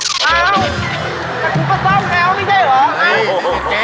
อ้าวแต่คุณก็เศร้าแงวนี่จริงเหรอ